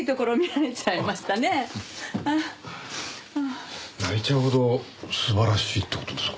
泣いちゃうほど素晴らしいって事ですか？